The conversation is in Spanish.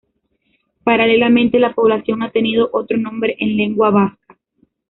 Paralelamente la población ha tenido otro nombre en lengua vasca.